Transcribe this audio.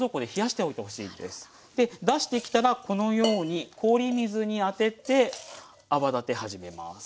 で出してきたらこのように氷水にあてて泡立て始めます。